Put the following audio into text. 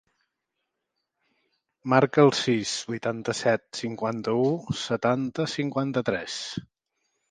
Marca el sis, vuitanta-set, cinquanta-u, setanta, cinquanta-tres.